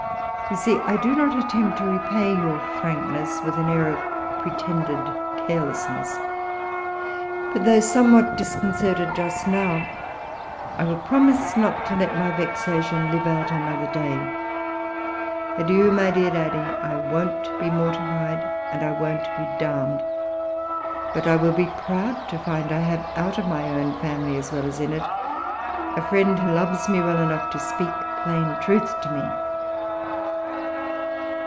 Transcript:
You see I do not attempt to repay your frankness with an air of pretended carelessness. But, though somewhat disconcerted just now, I will promise not to let my vexation live out another day. Adieu, my dear daddy, I won't be mortified, and I won't be downed; but I will be proud to find I have, out of my own family, as well as in it, a friend who loves me well enough to speak plain truth to me."